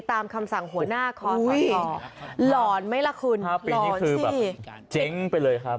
ตามคำสั่งหัวหน้าคอความรอลอนไหมล่ะคุณ๕ปีนี้คือแบบเจ๊งไปเลยครับ